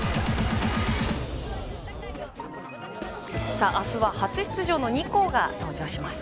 さああすは初出場の２校が登場します。